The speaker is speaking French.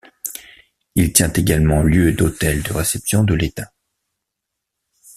Il tient également lieu d'hôtel de réception de l'Etat.